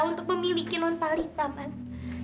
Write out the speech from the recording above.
untuk memiliki tuan talita mas